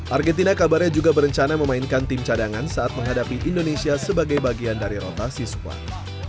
argentina kabarnya juga berencana memainkan tim cadangan saat menghadapi indonesia sebagai bagian dari rotasi squad